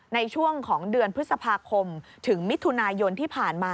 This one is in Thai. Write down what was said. ในช่วงของเดือนพฤษภาคมถึงมิถุนายนที่ผ่านมา